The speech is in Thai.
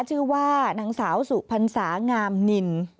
ชื่อว่านางสาวสุพรรษางามนิน